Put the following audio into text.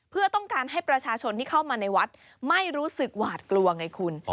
เพื่อต้องการให้ประชาชนที่เข้ามาในวัดไม่รู้สึกหวาดกลัวไงคุณ